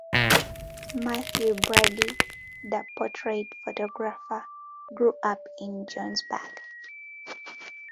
Mathew Brady, the portrait photographer, grew up in Johnsburg.